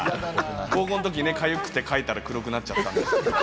高校のとき痒くてかいたら、黒くなっちゃったんです。